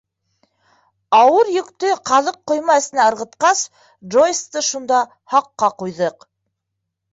Ауыр йөктө ҡаҙыҡ ҡойма эсенә ырғытҡас, Джойсты шунда һаҡҡа ҡуйҙыҡ.